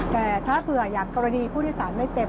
แต่ถ้าเผื่ออย่างกรณีผู้โดยสารไม่เต็ม